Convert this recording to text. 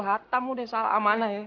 hatam udah salah amanah ya